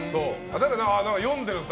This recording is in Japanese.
だから読んでるんです